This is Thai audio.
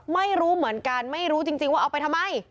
ไม่รู้เหมือนกันไม่รู้จริงว่าเอาไปทำไม